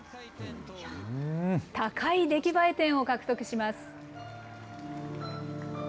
高い出来栄え点を獲得します。